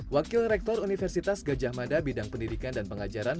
wakil rektor universitas gajah mada bidang pendidikan dan pengajaran